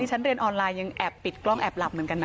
ฉันเรียนออนไลน์ยังแอบปิดกล้องแอบหลับเหมือนกันนะ